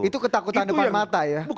itu ketakutan depan mata ya